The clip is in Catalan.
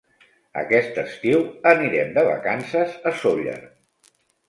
Aquest estiu anirem de vacances a Sóller.